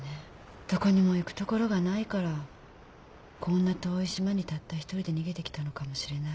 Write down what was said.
どこにも行くところがないからこんな遠い島にたった一人で逃げてきたのかもしれない。